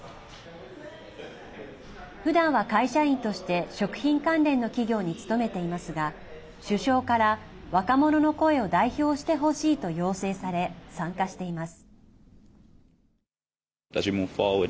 ふだんは会社員として食品関連の企業に勤めていますが首相から、若者の声を代表してほしいと要請され参加しています。